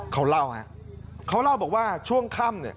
เขาเล่าฮะเขาเล่าบอกว่าช่วงค่ำเนี่ย